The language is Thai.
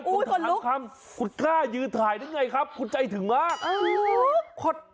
ทั้งคำคุณกล้ายืนถ่ายได้ไงครับคุณใจถึงมาก